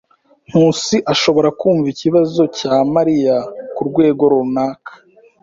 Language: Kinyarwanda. Nkusi ashobora kumva ikibazo cya Mariya kurwego runaka.